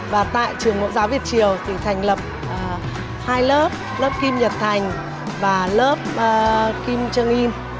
và tại trường mẫu giáo việt triều thì thành lập hai lớp lớp kim nhật thành và lớp kim jong un